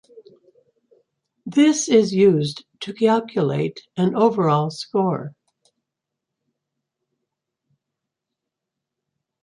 This is used to calculate an overall score.